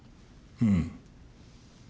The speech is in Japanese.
うん。